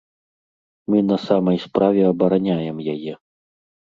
Мы на самай справе абараняем яе.